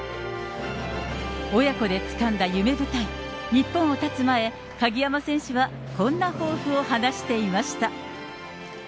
親子でつかんだ夢舞台、日本をたつ前、鍵山選手はこんな抱負を話していました。